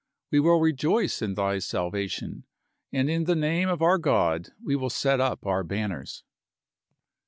We will rejoice in thy salvation, and in the name of our God we will set up our banners.